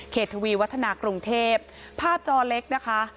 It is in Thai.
ทวีวัฒนากรุงเทพภาพจอเล็กนะคะ